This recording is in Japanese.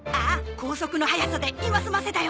光速の速さで今済ませたよ。